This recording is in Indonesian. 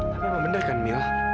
tapi apa bener kan mila